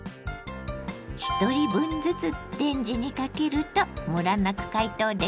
一人分ずつレンジにかけるとムラなく解凍できますよ。